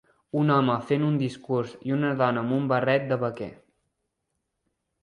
Un home fent un discurs, i una dona amb un barret de vaquer.